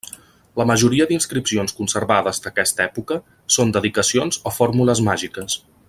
La majoria d'inscripcions conservades d'aquesta època són dedicacions o fórmules màgiques.